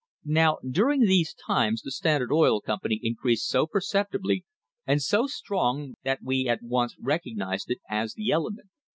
Now, during these times the Standard Oil Company increased so perceptibly and so strong that we at once recognised it as the element.